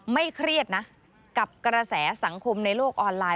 เครียดนะกับกระแสสังคมในโลกออนไลน